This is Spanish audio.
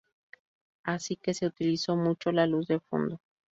Así que se utilizó mucho la luz de fondo.